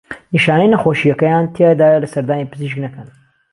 نیشانهی نهخۆشییهکهیان تیادایه سهردانی پزیشک نهکهن